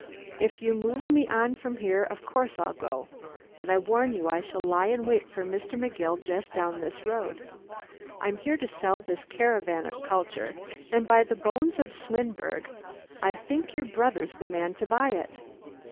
If you move me on from here, of course I'll go; but I warn you I shall lie in wait for Mr. McGill just down this road. I'm here to sell this caravan of culture, and by the bones of Swinburne I think your brother's the man to buy it."